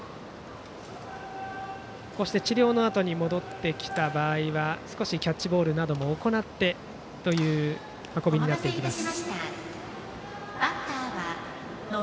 治療のあとに戻ってきた場合は少しキャッチボールなども行ってということになります。